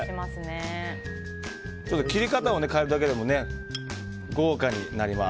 切り方を変えるだけでも豪華になります。